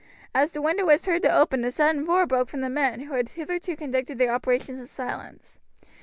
As the window was heard to open a sudden roar broke from the men, who had hitherto conducted their operations in silence.